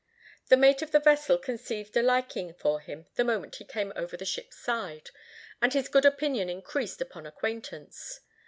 The mate of the vessel conceived a liking for him the moment he came over the ship's side, and this good opinion increased upon acquaintance.